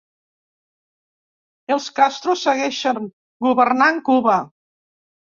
Els Castro segueixen governant Cuba